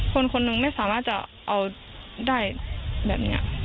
คนคนหนึ่งไม่สามารถจะเอาได้แบบนี้